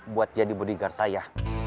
buat jadi bodyguard saya